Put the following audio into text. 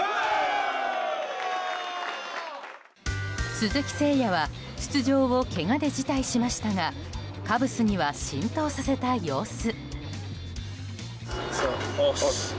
鈴木誠也は出場をけがで辞退しましたがカブスには浸透させた様子。